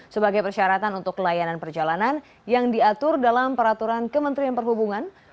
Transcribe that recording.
sebagai persyaratan untuk layanan perjalanan yang diatur dalam peraturan kementerian perhubungan